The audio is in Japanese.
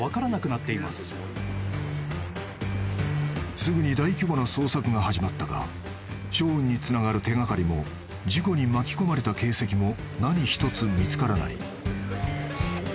［すぐに大規模な捜索が始まったがショーンにつながる手掛かりも事故に巻き込まれた形跡も何一つ見つからない］